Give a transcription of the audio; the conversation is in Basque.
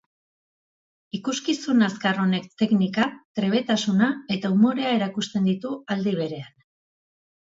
Ikuskizun azkar honek teknika, trebetasuna eta umorea erakusten ditu aldi berean.